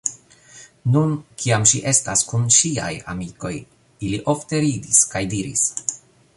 Nun, kiam ŝi estas kun ŝiaj amikoj, ili ofte ridis kaj diris: